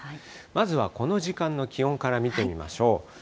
まずはこの時間の気温から見てみましょう。